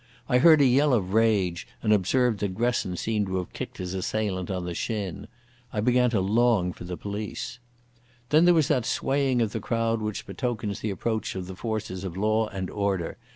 I heard a yell of rage, and observed that Gresson seemed to have kicked his assailant on the shin. I began to long for the police. Then there was that swaying of the crowd which betokens the approach of the forces of law and order.